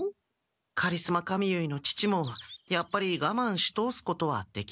カリスマ髪結いの父もやっぱりがまんし通すことはできなかった。